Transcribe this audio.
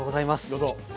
どうぞ。